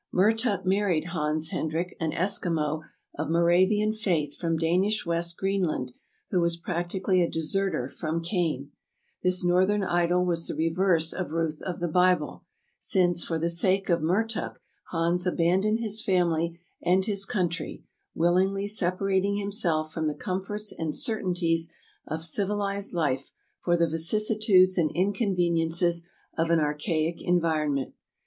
Mertuk married Hans Hendrik, an Eskimo of Mo ravian faith from Danish West Greenland, who was practically a deserter from Kane. This northern idyl was the reverse of Ruth of the Bible, since for the sake of Mertuk, Hans abandoned his family and his country, willingly separating himself from the com forts and certainties of civilized life for the vicissitudes and inconveniences of an archaic environment.